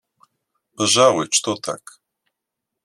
Пожалуй, что так.